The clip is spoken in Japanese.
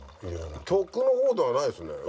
曲の方ではないですね。